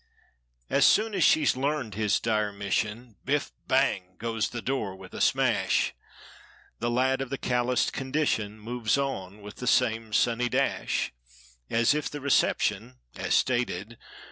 As soon as she's learned his dire mission Biff! Bang! goes the door with a smash! The lad of the calloused condition Moves on with the same sunny dash. As if the reception, as stated.